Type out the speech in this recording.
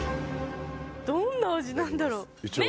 どんな味なんだろう？